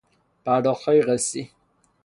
پرداختهای قسطی